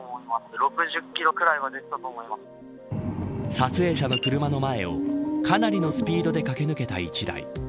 撮影者の車の前をかなりのスピードで駆け抜けた１台。